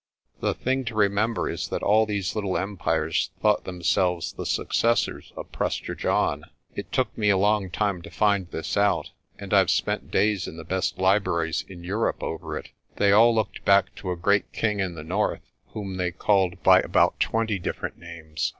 "The thing to remember is that all these little empires thought themselves the successors of Prester John. It took me a long time to find this out, and I have spent days in the best libraries in Europe over it. They all looked back to a great king in the north, whom they called by about twenty different names.